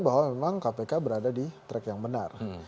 bahwa memang kpk berada di track yang benar